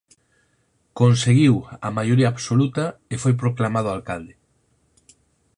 Conseguiu a maioría absoluta e foi proclamado alcalde.